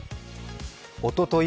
おととい